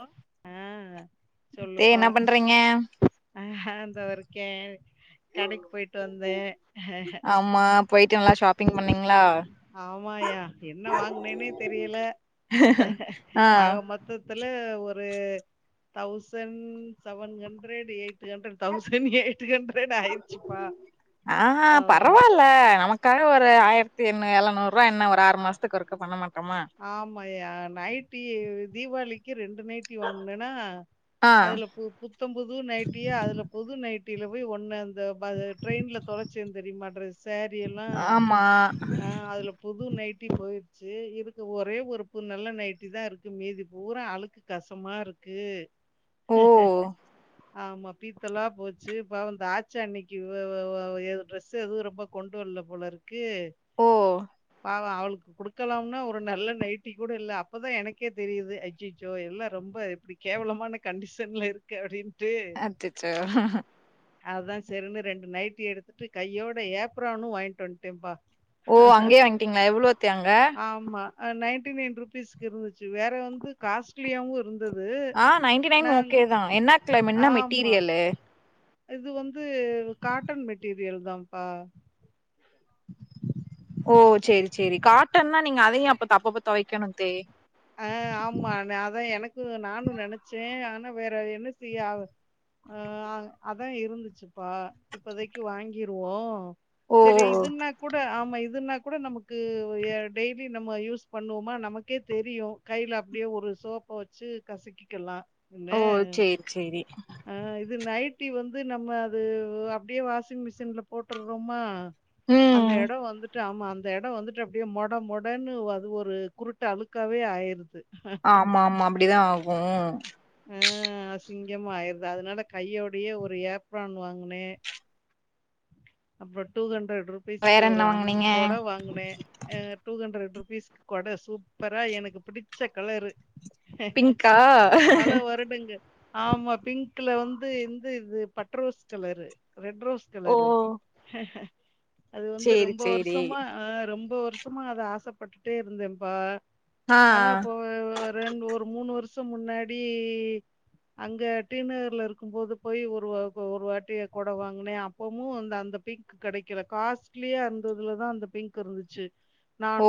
ஹ ஆ தே என்ன பண்றீங்க அ ஹ தோருக்கே கடைக் போயிட்டு வந்தே ஆமா போயிட்டு நல்லா ஷாப்பிங் பண்ணிங்ளா ஆமாயா என்ன வாங்கனேன்னே தெரியல ஆ ஆக மொத்தத் துல ஒரு thousand seven hundred eight hundred thousand eight hundred ஆ அ ஆமா. பரவால்ல நமக் காக ஒரு ஆயிரத்தி என்ன எழநூறுபா என்ன ஒரு ஆறு மாசத்துக்கு ஒருக்கா பண்ண மாட்ட ஆமயா நைட்டி தீபாவளிக்கி ரெண்டு நைட்டி வாங்னனா ஆ அதுல பு புத்தம்புது நைட்டி அதுல புது நைட்டில போயி ஒண்ணு அந் த பத ட்ரெயின்ல தொலைச்சே தெரிமா ட்ரெஸ் சேரீ எல்லா ஆமா ஆ அதுல புது நைட்டி போயிருச்சி இருக் ஒரே ஒரு புது நல்ல நைட்டி தாருக்கு மீதி பூரா அழுக்கு கஷமாருக்கு ஓ [inaudible] ஆமா பீத்தலா போச்சு பாவோ இந்த தாச்சான்னைக்கு ஒஒஒ எது ட்ரெஸ் எதுவு ரொம்ப கொண்டு வல்ல போலருக்கு ஓ பாவ அவளுக்கு குடுக்கலாம்னா நல்ல நைட்டி கூட இல்ல அப்பதா எனக்கே தெரியுது அய்யயோ எல்லா ரொம்ப எப்டி கேவலமான கண்டிஷன்ல இருக்கு அப்டின்ட்டு அச்சச்சோ அததா செரின்னு ரெண்டு நைட்டி எடுத்துட்டு கையோட ஏப்புறானு வாங்கிட்டு வந்டேம்பா ஓ அங்கயே வாங்கிட்டீங்களா எவ்வளோத்த அங்க அ நைன்டி நைன் ருபீஸ்க்க இருந்துச்சி வேற வந்து காஸ்ட்லியாவு இருந்து ந்தது ஆ நைன்டி நைன் ஓகே நாங்கொ தா என்ன கிளம் என்ன ஆமா மெட்டீரியலு இது வந்து காட்டன் மெட்டீரியல் தான்ப்பா ஓ செரி செரி காட்டன்ன்னா நீங்க அதையு அப்ப தப்பப்ப தொவைக்கணுத்தே ஆ ஆமா அதா எனக்கு நானு நெனைச்சே ஆனா வேற என்ன செய்யா ஆ வ அ அதா இருந்துச்சுப்பா இப்பதைக்கு வாங்கிருவோ ஓ சரி இதுன்னாக் கூட ஆமா இதுன்னா கூட நமக்கு டெய்லி நம்ம யூஸ் பண்ணுவோமா நமக்கே தெரியு கையில அப்டியே ஒரு சோப்ப வெச்சு கசக்கிக்கலா ல்ல ஓ சேரி சேரி ஆ இது நைட்டி வந்து நம்ம அது அப்டியே வாஷிங் மிஷின்ல போட்டுறோமா அந்த ம் எடோ வந்துட்டு ஆமா அந்த எடோ வந்துட்டு அப்டியே மொட மொடன்னு அது ஒரு குருட்டு அழு க்காவே ஆயிருது ஆமா ஆமா அப்டிதா ஆகு ஆ அசிங்கமா ஆயிருது அதனால கையோடையே ஒரு ஏப்ரான் வாங்கனே அப்புறோ டூ ஹண்ட்ரட் வேற ருபீஸ்க்கு ஒரு என்ன அம் வாங்குனீங்க கொட வாங்குனே ஹ டூ ஹண்ட்ரட் ருபீஸ் கொட சூப்பரா எனக்கு புடிச்ச கலரு பிங்க்கா மழ வரட்டுங்க ஆமா பிங்க்ல வந்து இந்த இது but rose colour red rose ஓ கலரு அது வந்து சேரி ரொம்ப சேரி வருஷமா ஆ ரொம்ப வருஷமா அத ஆசைப்பட்டுட்டே இருந்தேன்ப்பா ஆ ஆனா இப்ப ரெண்டு ஒரு மூணு வருஷோ முன்னாடி அங்க டீநகர்ல இருக்கும் போது போய் ஒரு வ கொ ஒரு வாட்டிய கொட வாங்குனே அப் ப்போமு அந்த அந்த பிங்க் கெடைக்கல காஸ்ட்லியா இருந்ததுலதா அந்த பிங்க் இருந்துச்சு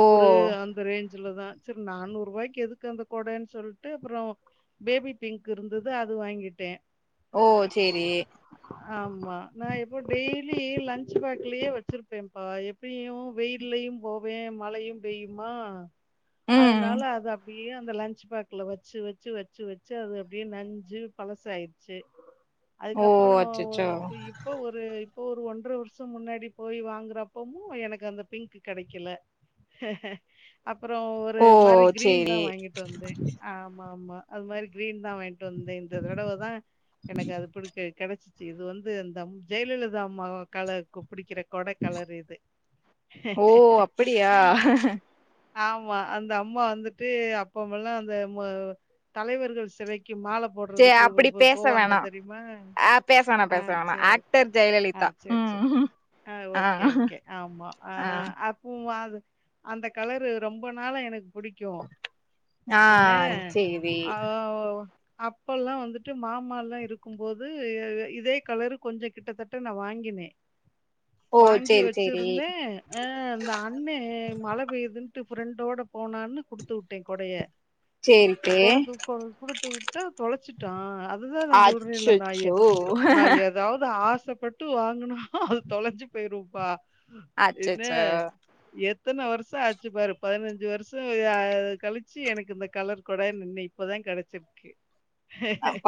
ஓ அந்த ரேஞ்சுலதா சரி நானூறுவாய்க்கு எதுக்கு அந்த கொடன் சொல்ட்டு அப்றோ பேபி பிங்க் இருந்தது அது வாங்கிட்டே ஓ செரி ஆமா நா எ இப்போ டெய்லி லன்ச் பேக்லயே வச்சிருப்பேப்பா எப்டியு வெய்லயு போவே மழையு பெய்யுமா ம் அதனால அது அப்டி ப்டியே அந்த லன்ச் பேக்ல வச்சு வச்சு வச்சு வச்சு அது அப்டியே நஞ்சு பழசாயிடுச்சு ஓ அதுக்கப்புறம் ஒரு- அச்சச்சோ இப்ப- இப்போ ஒரு இப்போ ஒரு ஒன்ற வருஷம் முன்னாடி போய் வாங்குறப்பமு எனக்கு அந்த பிங்க் கெடைக்கல அப்பறோ ஒரு ஓ மாரி கிரீன்தா சேரி வாங்கிட்டு வந்தே ஆமாமா அது மாரி கிரீன்தா வாங்கிட்டு வந்த இந்த தடவதா எனக்கு அது பிடிக்க கெடச்சி ச்சு இது வந்து இந்தம் ஜெயலலிதா அம்மா கால கு புடிக்கிற கொட கலர் இது ஓ அப்படியா ஆமா அந்த அம்மா வந்துட்டு அப்பமல்லா அந்த மொ தலைவர்கள் சிலைக்கு மால சே போடுறதுக்கு போ அப்படி போ பேச போவாங்க வேணா தெரியுமா ஆ பேச வேணா ஆ பேச வேணா சரி ஆக்டர் ஆ ஜெயலலிதா சரி சர் ம் ஆ ஓகே ஓகே ஆமா ஆ அப் புவாது அந்த கலரு ரொம்ப நாளா எனக் புடிக்கு ஆ என்ன சேரி ஆவ் அப்பல்லா வந்துட்டு மாமால்லா இருக்கும்போது இதே கலரு கொஞ்சொ கிட்டத்தட்ட நா வாங்கினே ஓ வாங்கி சேரி சேரி வச்சிருந்தே அ இந்த அண்ணே மழ பெயுதுன்ட்டு ஃப்ரெண்டோட போனான்னு குடுத்துவுட்டே கொடைய சேரித்தே கொடுத்து கொ குடுத்து வுட் ட்டு தொலச்சிட்டா அதுதா நா சொல்றேன்ல நா எ அச்சச்சோ நா எதாவ் து ஆசப்பட்டு வாங்குனோ அது தொலஞ்சி போயிரும்ப்பா என்ன அச்சச்சோ எத்தன வருஷோ ஆச்சி பாரு பதினஞ்சி வருஷோ அ கழிச்சி எனக்கு இந்த கலர் கொட நின்னை இப்போதா கெடச்சிருக்கு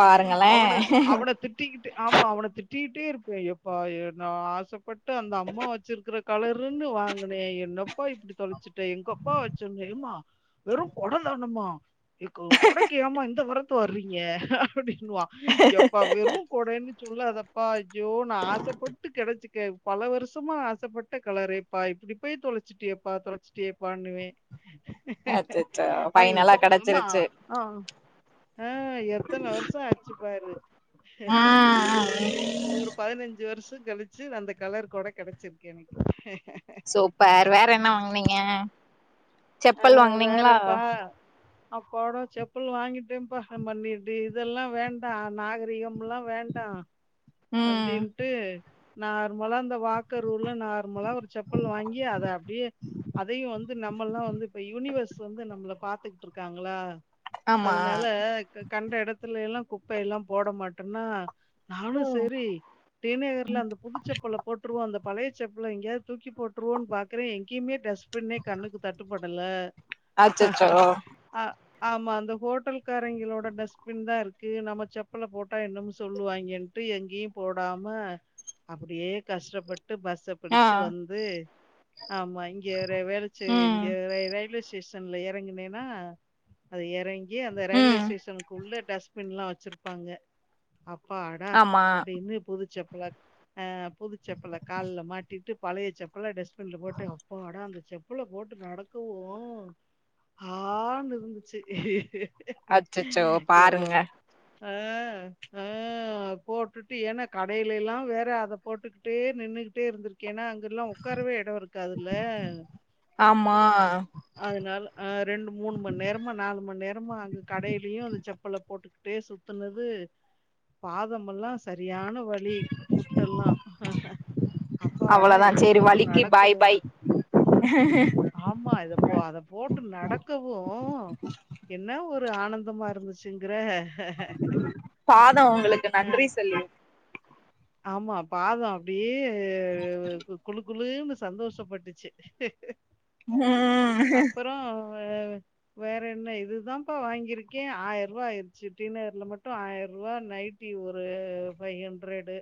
பாருங்களே அவன அவன திட்டிக்கிட்டு ஆமா அவன திட் டிட்டே இருப்பே எப்பா எ நா ஆசப்பட்டு அந்த அம்மா வச்சிருக்குற கலருன்னு வாங்குனே என்னப் பா இப்டி தொலச்சுட்டே எங்கப்பா வெச்சனு ஏம்மா வெறு கொட தானமா எக்கோ கொடக்கி ஏம்மா இந்த வரத்து வர்றீங்க அப்டின்னுவா எப்பா வெறு கொடன்னு சொல்லாதப்பா ஐயோ நா ஆசப்பட்டு கெடச்சுக்க பல வருஷமா ஆசப்பட்ட கலரேப்பா இப்டி போய் தொலச்சிட்டியேப்பா தொலச்சிட்டியேப்பாண்ணுவே அச்சச்சோ அய் ஃபைனலா போங்க அம்மா கெடச்சிருச்சு அ எத்தன வருஷோ ஆச்சு பாரு ம் ஒரு பதினஞ்சு வருஷோ கழிச்சு அந்த கலர் கொட கெடச்சிருக்கு எனக்கு சூப்பர் வேற என்ன வாங்னீங்க ஆ செப்பல் வாங்னீங்ளா வேறப்பா! அப்பாடா செப்பல் வாங்கிட்டேப்பா நம்ப நி ப்டி இதெல்லா வேண்டா நாகரீகம்ல்லா வேண்டா ம் அப்டின்ட்டு நார்மலா அந்த வாக்கருள்ள நார்மலா ஒரு செப்பல் வாங்கி அத அப்டியே அதையு வந்து நம்மல்லா வந்து இப்ப யூனிவர்ஸ் வந்து நம்மள பாத்துக்ட்டுருக்காங்ளா ஆமா அதனால கண்ட எடத்துலேல்லா குப்பை எல்லா போட மாட்டன்னா நானு ச ம் ரி டி நகர்ல அந்த புதுச்செப்பல போட்டுருவோ அந்த பழய செப்பல எங்கேயாவ்து தூக்கி போட்டுருவோனு பாக் க்குறே எங்கேயுமே டஸ்பின்னே கண்ணுக்கு தட்டுப்படல அச்சச்சோ ஆமா அந்த ஹோட்டல்காரைங்களோட டஸ்ப்பின்தா இருக்கு நம்ம செப்பல போட்டா என்னமோ சொல்லுவாய்ங்கன் ட்டு எங்கயு போடாம அப்பிடியே கஷ்டப்பட்டு பஸ்ஸ ஆ பிடிச்சு வந்து ஆமா இங்க ர வேளச்சேரி ம் இங்க ரை ரயில்வே ஸ்டேஷ ன்ல எறங்குனேனா அது எறங்கி அந்த ரயில்வே ம் ஸ்டேஷனுக்குள்ள டஸ் ப்பின்லா வச்சிருப்பாங்க அப்பாடா ஆமா இன்மே புதுச்செப்பல அ புதுச்செப்பல கால்ல மாட்டிட்டு பழைய செப் பல டஸ்ப்பின்ல போட்டு அப்பாடா அந்த செப்பல போட்டு நடக்கவு ஹான்னுருந்துச்சு அச்சச்சோ பாருங்க ஆ ஆ அப் போட்டுட்டு ஏனா கடைலிலா வேற அத போட்டுக்கிட்டே நின்னுகிட்டே இருந்திருக்கேனா அங்கெல்லா உக்காரவே எடோ இருக்காதுல்ல ஆமா அதுனால அ ரெண்டு மூணு மண் நேரமா நாலு மண் நேரமா அங்க கடைலியு அந்த செப்பல போட்டுக் கிட்டே சுத்துனது பாதமல்லா சரியான வ லி ஃபுட்டெல்லா அப்பாடா அவ்ளோதா இத சேரி போட்டு வலிக்கு பாய் நடக்கவு பாய் ஆமா இத இப்போ அத போட்டு நடக்கவு என்ன ஒரு ஆனந்தமா இருந்துச்சுங்கிற பாதோ உங்களுக்கு நன்றி ம் சொல்லிருக் ஆமா பாதோ அப்டியே வே வே கு குளுக் குளுன்னு சந்தோஷப்பட்டுச்சு ம் அப்பறோ வேற வேற என்ன இதுதாம்ப்பா வாங்கிருக்கே ஆயர்ருவா ஆயிர்ச்சு டி நகர்ல மட்டு ஆயர்ருவா நைட் டி ஒரு ஃபை ஹண்ட்ரேடு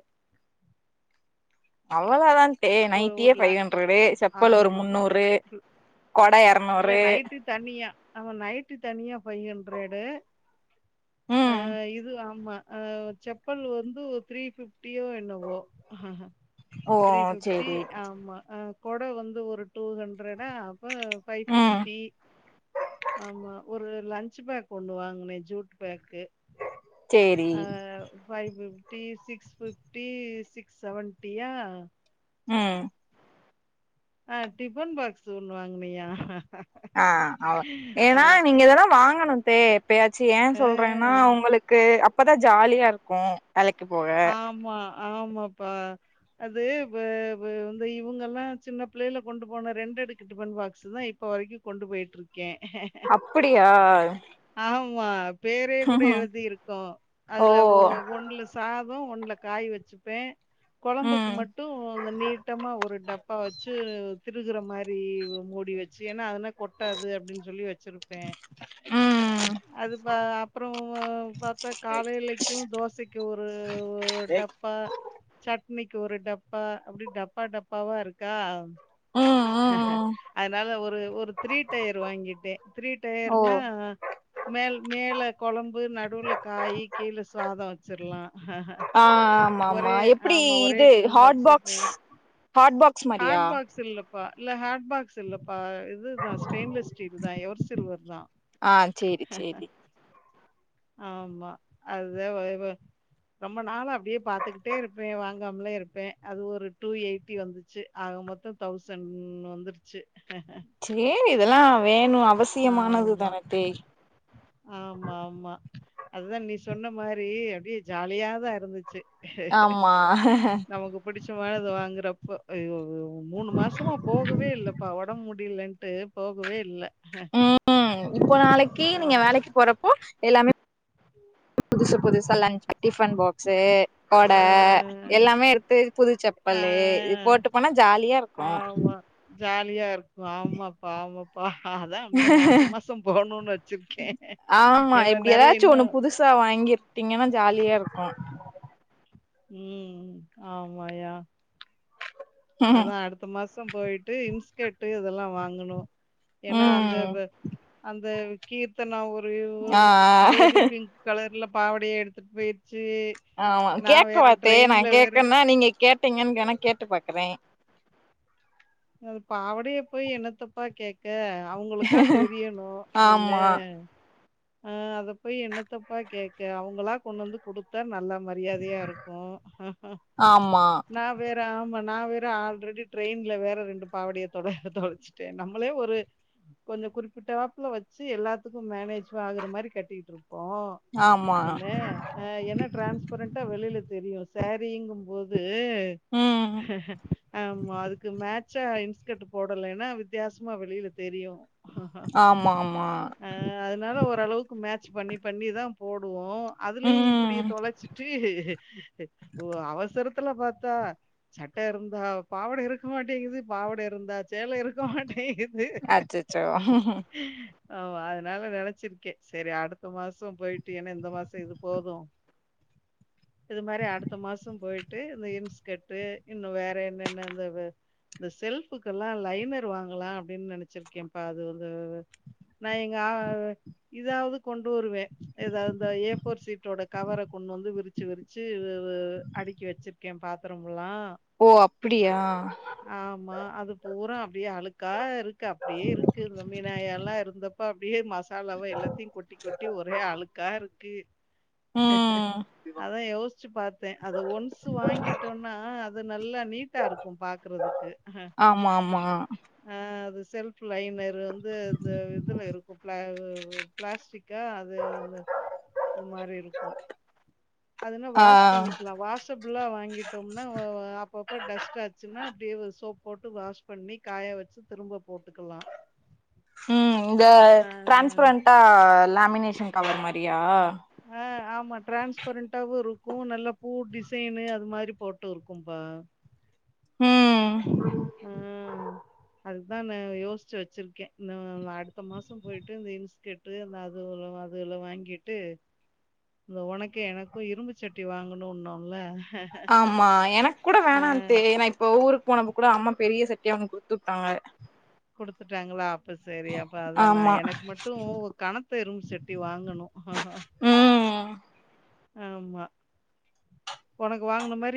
அவளோதாங் ஏ ஒரு நைட்டியே ஒரு ல ஃபை ஹண்ட்ரேடு செப்பல் ஒரு ஆமா முன்னூறு கொட இல்ல எரநூறு நைட்டி தனியா அவ நைட்டி தனியா ஃபை ஹண்ட்ரேடு அ ம் இது ஆமா அ செப்பல் வந்து ஒர் த்ரீ ஃபிஃப்டியோ என்னவோ ஓ த்ரீ ஃபிஃப்டி சேரி ஆமா அ கொட வந்து ஒரு டூ ஹண்ட்ரேடா அப்ப ஃபை ம் ஃபிஃப்டி ஆமா ஒரு லன்ச்சு பேக் ஒன்னு வாங்னே ஜூட்டு பேக்கு சேரி five fifty six fifty six செவன்ட்டியா ம் ஆ டிஃபன் பாக்ஸு ஒன்னு வாங்னயா ஆ அதா ஏனா நீங்க இதெல்லா வாங்கணு தே இப்பயாச்சி ஏ அ சொல்றேனா உங்களுக்கு அப்பதா ஜாலியா இருக்கு வேலைக்கு போக ஆமா ஆமாப்பா அது வ வ வந்து இவுங்கல்லா சின்ன பிள்ளைல கொண்டு போன ரெண்டடுக்கு டிஃபன் பாக்ஸ் தா இப்ப வரைக்கு கொண்டு போய்ட்ருக்கே அப்பிடியா ஆமா பேரே கூட எழுதி இருக்கோ ஓ அதுல ஒ ஒண்ல சாதோ ஒண்ல காய் வெச்சிப்பே கொழம்புக்கு ம் மட்டூ அந்த நீட்டமா ஒரு டப்பா வெச்சு தி ருகிற மாரி ஒ மூடி வெச்சி ஏன்னா அதுனா கொட்டாது அப்டின் சொல்லி வெச்சிருப்பே ம் ம் அது பா அப்றோமா பாத்தா காலையிலைக்கோ தோசைக் கு ஒரு ஓர் டப்பா சட் னிக்கு ஒரு டப்பா அப்டி டப்பா டப்பாவா இருக்கா ம் ம் அதனால ஒரு ஒரு த்ரீ டயர் வாங்கிட்டே த்ரீ ஓ டயர்னா மேல் மேல கொழம்பு நடுவுல காயி கீழ சாத வெச்சிர்லா ஆ ஆமா ஆமா எப்டி இது டிஃபன் ஹாட் பாக்ஸா பாக்ஸ் ஹாட் பாக்ஸ் மாரியா சில் ப்பா இல்ல ஹாட் பாக்ஸ் இல்லப்பா இதுதா ஸ்டெயின்லெஸ் ஸ்டீல் தா எவர் சில்வர் தா ஆ சேரி சேரி ஆமா அதுதா ஃபைபர் ரொம்போ நாளா அப்டியேப் பாத்துக்கிட்டே இருப்பே வாங்காமலே இருப்பே அது ஒரு டூ எயிட்டி வந்துச்சு ஆக மொத்தோ தௌசண்ட் வந்துருச்சு சேரி இதெல்லா வேணு அவஸ் ஆமா ஆமாம்மா அத்தா நீ சொன்ன மாரி அப்டியே ஜாலியாதா இருந்துச்சி ஆமா பிடிச்சமானத வாங்குறப்ப அய்யய்யோ மூணு மாசமா போகவே இல்லப்பா ஒடம்பு முடிலன் ட்டு போகவே இல்ல ம் ம் இப்போ நாளைக்கு நீங்க ஆமா. வேலைக்கு போறப்போ எல்லாமே புதுசு புதுசா லன்ஞ் டிஃபன் பாக்ஸ்சே கொட அ, எல்லாமே எடுத்து புது ஆ, செப்பலூ இது போட்டு போனா ஜாலியா இருக்கோ ஆமா. ஜாலியா இருக்கோ ஆமாப்பா ஆமாப் பா அ அதா இன்னூ மாசோ மாசோ போணுன் வெச்சிர்க்கே ஏன்னா நெறய இன்னோ புட்ஸ்சா வாங்கி திங்கனா ஜாலியா இர்க்கோ ம் ஆமாயா ம் அதா அடுத்த மாசோ போயிட்டு இன்ஸ்கேர்ட்டு இதெல்லா வாங்கனோ ஏன்னா அந்த ம் வ அந்த கீர்த்தனா ஒரு ஓ ஆ பேபி பிங்க் கலர்ல பாவாடிய எடுத்துட் போயிடிச்சு ஆமா கேக்க மாட்டே நா கேக்கன்னா நீங்க கேட்டீங்கன் வேணா கேட்டு பாக்குறே அது பாவடைய போய் என்னத்தப்பா கேக் க அவங்களுக்கா தெரியணூ என்னோ ஆமா ஆ அத போய் என்னத்தப்பா கேக்க அவங்களா கொண்டு வந்து குடுத் தா நல்ல மரியாதையா இருக்கோ ஆமா நா வேற ஆமா நா வேற ஆல்ரெடி ட்ரெயின்ல வேற ரெண்டு பாவடைய தொல தொலைச்சுட்டே நம்மளே ஒரு கொஞ்சோ குறிப்பிட்டவாப்புல வச்சி எல்லாத்துக்கு மேனேஜ் ஆகுற மாரி கட்டிக்கிட்ருப்போ ஆமா என்னஹ என்ன டிரான்ஸ்ப்ரண்டா வெளியில தெரியூ சாரீங்கு போத் து ம் ஆமா அதுக்கு மேட் ச்சா இன்ஸ்கர்ட் போடலன்னா வித்யாசமா வெளியில தெரியூ ஆம்மாமா அ அதனால ஓரளவுக்கு மேட்ச் பண்ணி பண்ணி தா போடுவோ அதுலயு இப்டி ம் தொலச்சிட்டு ஒரு அவசர த்துல பாத்தா சட்ட இருந்தா பாவட இருக்க மாட்டேங்குது பாவட இருந்தா சேல இருக்க மாட்டேங்குது அச்சச்சோ ஆமா அதனால நெனச்சிருக்கே சேரி அடுத்த மாசோ போயிட்டு ஏனா எந்த மாசோ இது போது [inaudible] இது மாரி அடுத்த மாசோ போய்ட்டு இந்த இன்ஸ்கட்டு இன்னு வேற என்னென்ன இந்த இந்த செல்ஃபுக்கெல்லா லைனர் வாங்கலா அப்டின் நெனச்சிருக்கேப்பா அது வந்து நா எங்கா இதாவது கொண்டு வருவே ஏதாவது ஏ போர் சீட்டோட கவர கொண்டு வந்து விரிச்சு விரிச்சு அடுக்கி வச்சிருக்கே பாத்தரம் புல்லா ஓ அப்படியா ஆமா அது பூரா அப்டியே அழுக்கா இருக்கு அப்டியே இருக்கு இந்த மீனாயெல்லா இருந்த இப்ப அப்டியே மசாலாவா எல்லாத்தயு கொட்டி கொட்டி ஒரே அழுக்கா இருக்கு ம் அதா யோஸ்ச்சு பாத்தே அத ஒன்சு வாங்கிட்டோன்னா அது நல்லா நீட்டா இருக்கு பாக்குறதுக்கு ஆமா ஆமா ஆ அது செல்ப் லைனர்ரு வந்து அந்த இதுல இருக்கும்ல பிளாஸ்டிக்கா அது வந்து இது மாரி இருக்கு அதுனா ஆ வாஷ் பண்ணிக்கிலா வாஷபிளா வாங்கிட்டோம்னா அப்பப்ப டஸ்ட் ஆச்சுன்னா அப்டியே சோப் போட்டு வாஷ் பண்ணி காய வச்சு திரும்ப போட்டுக்கலா ம் இந்த ஆ டிரான்ஸ்பரண்ட்டா லேமினேஷன் கவர் மாரியா ஆ ஆமா டிரான்ஸ் பரண்டாவு இருக்கு நல்லா பூ டிசைனு அதுமாரி போட்டு இருக்கும்பா ம் ம் அதுதா நா யோஸ்ச்சு வச்சிருக்கே இந்த அடுத்த மாசோ போயிட்டு இந்த இன்ஸ்கர்ட் ட்டு அந்த அது அது எல்லா வாங்கிட்டு இந்த உனக்கு எனக்கு இரும்பு சட்டி வாங்கணும்னோல ஆமா எனக்கு கூட வேணாண்டு நா இப்ப ஊருக்கு போனப்ப கூட அம்மா பெரிய சட்டியா ஒண்ணு குடுத்து உட்டாங்க குடுத்துட்டாங்களா அப்ப செரி அப்ப அத நா ஆமா எனக்கு மட்டு ஒரு கணத்த இரும்பு சட்டி வாங்கணு ம் ஆமா உனக்கு வாங்குன மாரி